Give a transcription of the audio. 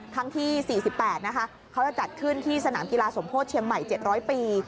ครั้งที่๔๘นะคะเขาจะจัดขึ้นที่สนามกีฬาสมโพธิเชียงใหม่๗๐๐ปี